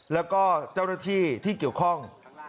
แล้วก็เจ้าหน้าที่ที่เกี่ยวข้อง